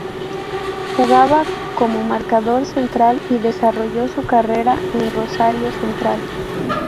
Jugaba como marcador central y desarrolló su carrera en Rosario Central.